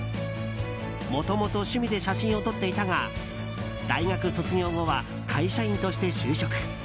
もともと趣味で写真を撮っていたが大学卒業後は会社員として就職。